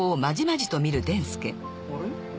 あれ？